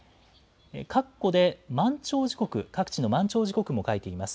かっこで満潮時刻、各地の満潮時刻も書いています。